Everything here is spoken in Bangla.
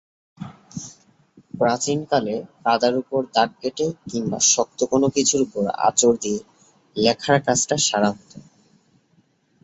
প্রাচীনকালে কাদার ওপর দাগ কেটে কিংবা শক্ত কোনো কিছুর ওপর আঁচড় দিয়ে লেখার কাজটা সারা হতো।